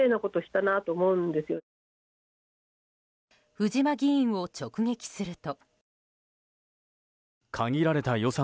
藤間議員を直撃すると。